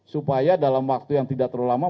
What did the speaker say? supaya dalam waktu yang tidak terlalu lama